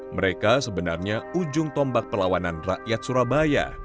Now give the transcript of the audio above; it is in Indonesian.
mereka sebenarnya ujung tombak perlawanan rakyat surabaya